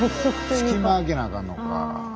隙間空けなあかんのか。